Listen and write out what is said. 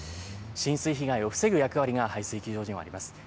浸水被害を防ぐ役割が排水機場にはあります。